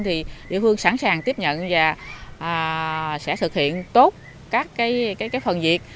thì địa phương sẵn sàng tiếp nhận và sẽ thực hiện tốt các phần việc